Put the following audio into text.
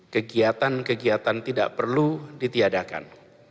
kegiatan kegiatan tidak perlu ditiadakan